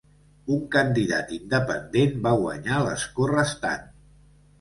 Un candidat independent va guanyar l'escó restant.